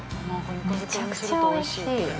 ◆めちゃくちゃおいしい。